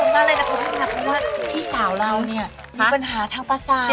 เพราะว่าพี่สาวเราเนี่ยมีปัญหาทางประสาน